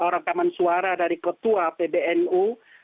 rekaman suara dari ketua pbnu